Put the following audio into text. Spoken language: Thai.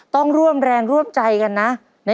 ต้องร่วมแรงร่วมใจกันนะ